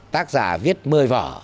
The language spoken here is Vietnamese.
tác giả viết một mươi vở